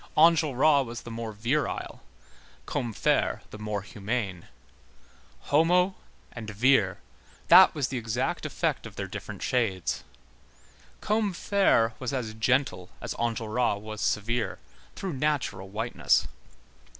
Enjolras was the more virile, Combeferre the more humane. Homo and vir, that was the exact effect of their different shades. Combeferre was as gentle as Enjolras was severe, through natural whiteness.